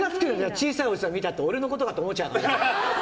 小さいおじさんって俺のことかと思っちゃうよね。